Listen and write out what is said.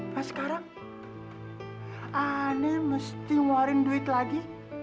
nah sekarang aneh mesti ngeluarin duit lagi